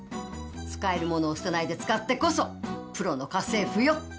使えるものを捨てないで使ってこそプロの家政婦よ。